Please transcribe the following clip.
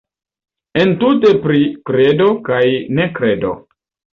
Entute pri kredo kaj nekredo.